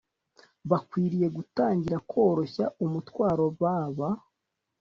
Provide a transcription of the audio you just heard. Bakwiriye gutangira kworoshya umutwaro baba